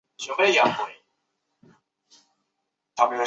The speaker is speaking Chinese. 这是他们自己注资的几个项目之一。